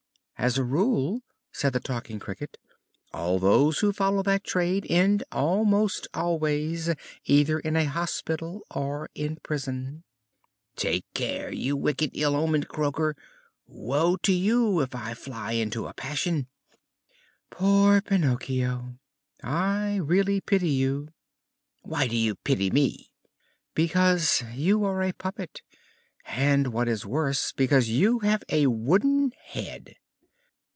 "As a rule," said the Talking Cricket, "all those who follow that trade end almost always either in a hospital or in prison." "Take care, you wicked, ill omened croaker! Woe to you if I fly into a passion!" "Poor Pinocchio! I really pity you!" "Why do you pity me?" "Because you are a puppet and, what is worse, because you have a wooden head."